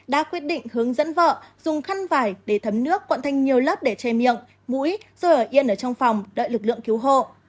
đã quyết định hướng dẫn vợ dùng khăn vải để thấm nước quặn thành nhiều lớp để che miệng mũi rồi ở yên ở trong phòng đợi lực lượng cứu hộ